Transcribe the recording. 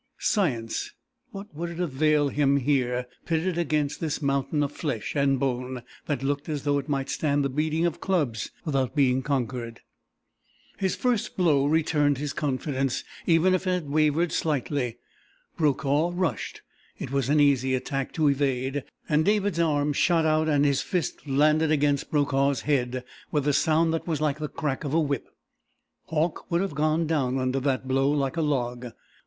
Science! What would it avail him here, pitted against this mountain of flesh and bone that looked as though it might stand the beating of clubs without being conquered! His first blow returned his confidence, even if it had wavered slightly. Brokaw rushed. It was an easy attack to evade, and David's arm shot out and his fist landed against Brokaw's head with a sound that was like the crack of a whip. Hauck would have gone down under that blow like a log.